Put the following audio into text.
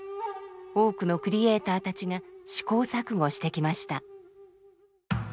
多くのクリエーターたちが試行錯誤してきました。